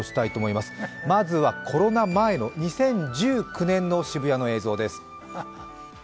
まずはコロナ前の２０１９年の渋谷の映像です。